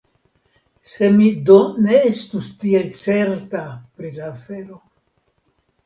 Se mi do ne estus tiel certa pri la afero !